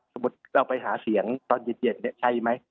สมมุติเราไปหาเสียงตอนเย็นใช่ไหม